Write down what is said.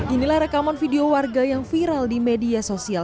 inilah rekaman video warga yang viral di media sosial